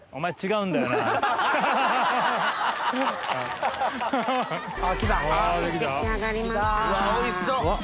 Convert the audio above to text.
うわおいしそっ。